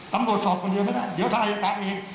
ตำรวจสอบคนเดียวไม่ได้เดี๋ยวทางอายการอีก